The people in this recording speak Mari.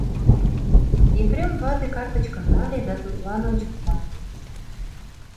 Епрем вате картычкым нале да тудлан ончыкта.